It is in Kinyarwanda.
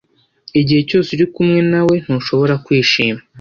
Igihe cyose uri kumwe na we, ntushobora kwishima.